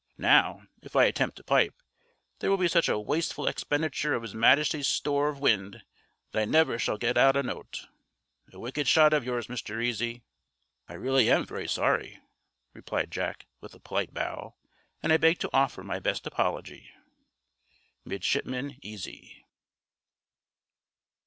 Now, if I attempt to pipe, there will be such a wasteful expenditure of his Majesty's store of wind that I never shall get out a note. A wicked shot of yours, Mr. Easy." "I really am very sorry," replied Jack, with a polite bow, "and I beg to offer my best apology." "Midshipman Easy."